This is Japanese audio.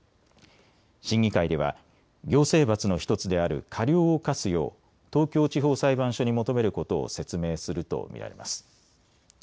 審議会では行政罰の１つである過料を科すよう東京地方裁判所に求めることを説明すると見られます。